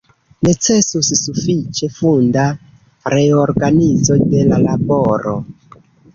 Necesus sufiĉe funda reorganizo de la laboro.